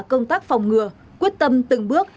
công tác phòng ngừa quyết tâm từng bước